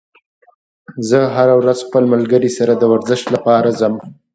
زه هره ورځ خپل ملګري سره د ورزش لپاره ځم